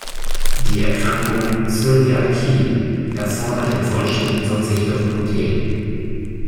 Die Erkrankung Zöliakie erfordert den vollständigen Verzicht auf Gluten.